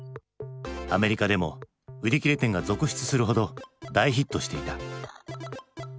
アメリカでも売り切れ店が続出するほど大ヒットしていた。